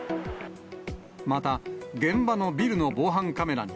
また、現場のビルの防犯カメラに、